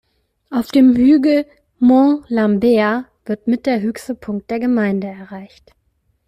Auf dem Hügel "Mont Lambert" wird mit der höchste Punkt der Gemeinde erreicht.